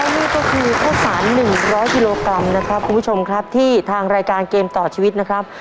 นี่ก็คือข้าวสาร๑๐๐กิโลกรัมนะครับคุณผู้ชมครับที่ทางรายการเกมต่อชีวิตนะครับ